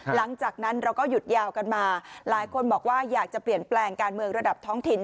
หลังจากนั้นเราก็หยุดยาวกันมาหลายคนบอกว่าอยากจะเปลี่ยนแปลงการเมืองระดับท้องถิ่น